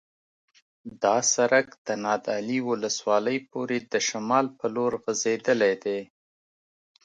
دا سرک د نادعلي ولسوالۍ پورې د شمال په لور غځېدلی دی